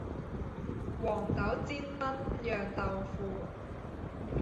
黃豆煎燜釀豆腐